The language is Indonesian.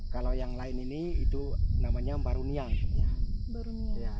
kalau yang lain ini itu namanya mbarunia